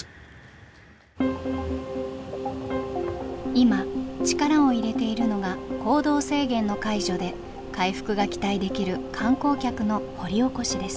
今力を入れているのが行動制限の解除で回復が期待できる観光客の掘り起こしです。